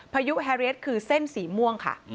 พายุแฮเรียสคือเส้นสีม่วงค่ะ